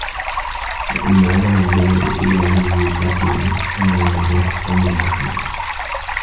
وَإِنْ عَدَلَ الدَّنِيءُ إلَى زِيِّ الرَّفِيعِ كَانَ جَهْلًا وَتَخَلُّفًا